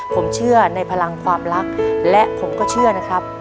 ผมเชื่อในพลังความรักและผมก็เชื่อนะครับ